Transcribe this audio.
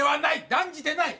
断じてない！